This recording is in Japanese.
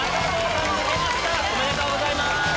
おめでとうございます！